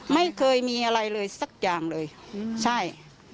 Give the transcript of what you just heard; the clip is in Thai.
ไม่เคยมีอะไรเลยสักอย่างเลยใช่